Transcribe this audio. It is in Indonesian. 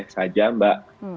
boleh boleh saja mbak